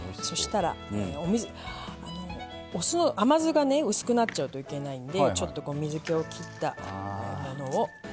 甘酢が薄くなっちゃうといけないんでちょっと水けを切ったものを。